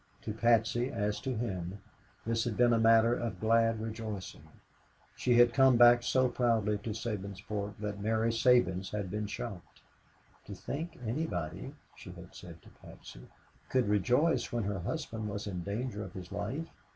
To Patsy, as to him, this had been a matter of glad rejoicing. She had come back so proudly to Sabinsport that Mary Sabins had been shocked. "To think anybody," she had said to Patsy, "could rejoice when her husband was in danger of his life.